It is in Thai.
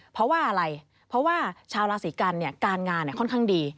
เพราะว่าอะไรเพราะว่าชาวราศีกันการงานค่อนข้างดี